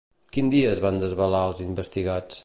Quin dia es van desvelar els investigats?